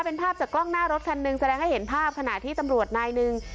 เป็นภาพจากกล้องหน้ารถคันหนึ่งแสดงให้เห็นภาพขณะที่ตำรวจนายหนึ่ง